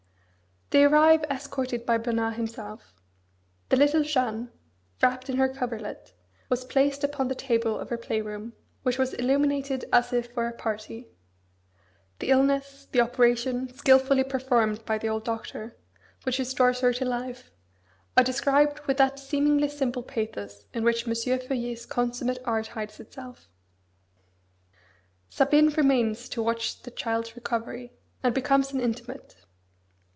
They arrive escorted by Bernard himself. The little Jeanne, wrapped in her coverlet, was placed upon the table of her play room, which was illuminated as if for a party. The illness, the operation (skilfully performed by the old doctor) which restores her to life, are described with that seemingly simple pathos in which M. Feuillet's consummate art hides itself. Sabine remains to watch the child's recovery, and becomes an intimate.